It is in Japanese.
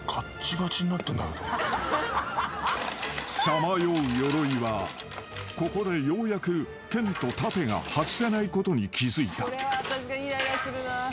［さまようヨロイはここでようやく剣と盾が外せないことに気付いた］